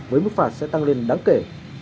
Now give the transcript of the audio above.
với mức phạt sẽ tăng lên đáng kể